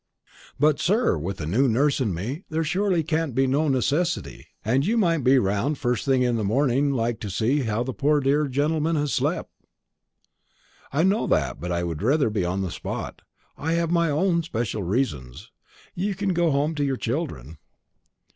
"But, sir, with the new nurse and me, there surely can't be no necessity; and you might be round the first thing in the morning like to see how the poor dear gentleman has slep'." "I know that, but I would rather be on the spot. I have my own especial reasons. You can go home to your children."